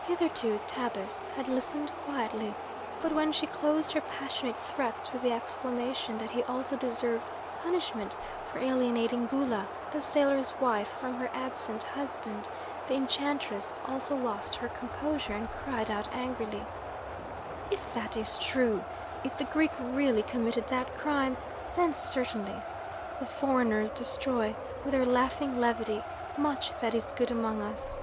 Hitherto Tabus had listened quietly, but when she closed her passionate threats with the exclamation that he also deserved punishment for alienating Gula, the sailor's wife, from her absent husband, the enchantress also lost her composure and cried out angrily: "If that is true, if the Greek really committed that crime then certainly. The foreigners destroy, with their laughing levity, much that is good among us.